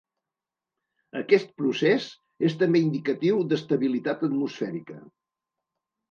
Aquest procés és també indicatiu d'estabilitat atmosfèrica.